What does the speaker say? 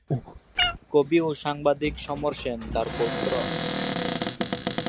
কবি ও সাংবাদিক সমর সেন তার পৌত্র।